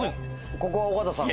ここは尾形さんが。